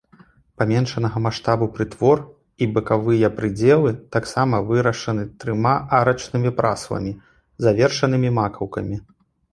Паменшанага маштабу прытвор і бакавыя прыдзелы таксама вырашаны трыма арачнымі прасламі, завершанымі макаўкамі.